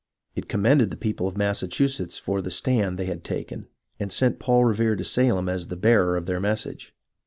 It commended the people of Massachusetts for the stand they had taken, and sent Paul Revere to Salem as the bearer of their message.